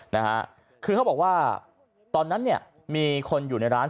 นะฮะคือเขาบอกว่าตอนนั้นเนี่ยมีคนอยู่ในร้าน